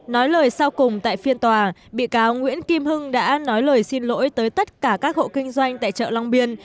nói lời sau cùng tại phiên tòa bị cáo nguyễn kim hưng đã nói lời xin lỗi tới tất cả các hộ kinh doanh tại chợ long biên